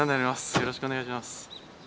よろしくお願いします。